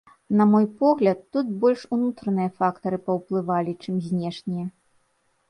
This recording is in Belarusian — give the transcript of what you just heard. На мой погляд, тут больш унутраныя фактары паўплывалі, чым знешнія.